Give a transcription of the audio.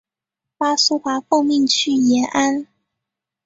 巴苏华奉命去延安。